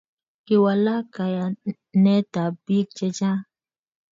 Kiwalak kayanetab bik chechang